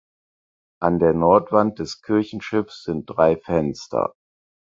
An der Nordwand des Kirchenschiffs sind drei Fenster.